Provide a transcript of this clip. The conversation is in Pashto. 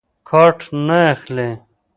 کارټ نه اخلي.